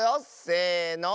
せの。